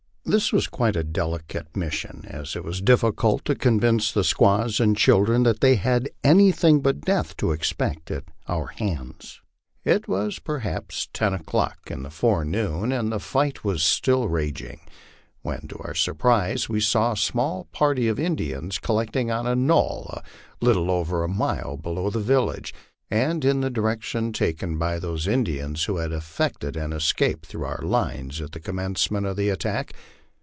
This was quite a delicate mis sion, as it was difficult to convince the squaws and children that they had any thing but death to expect at our hands. It was perhaps ten o'clock in the forenoon, and the fight was still raging, 166 LIFE ON THE PLAINS. when to our surprise we saw a small party of Indians collected on a knoll a little over a mile below the village, and in the direction taken by those Indians who had effected an escape through our lines at the commencement of the attack.